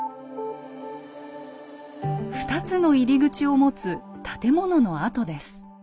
２つの入り口を持つ建物の跡です。